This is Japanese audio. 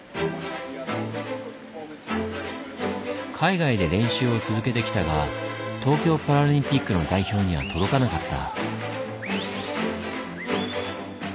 海外で練習を続けてきたが東京パラリンピックの代表には届かなかった。